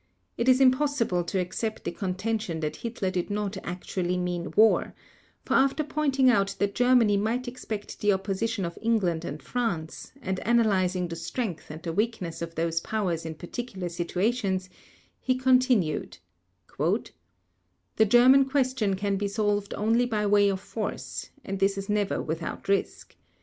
It is impossible to accept the contention that Hitler did not actually mean war; for after pointing out that Germany might expect the opposition of England and France, and analyzing the strength and the weakness of those powers in particular situations, he continued: "The German question can be solved only by way of force, and this is never without risk